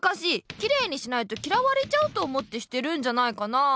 きれいにしないときらわれちゃうと思ってしてるんじゃないかな。